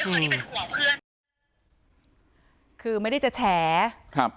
ที่โพสต์ก็คือเพื่อต้องการจะเตือนเพื่อนผู้หญิงในเฟซบุ๊คเท่านั้นค่ะ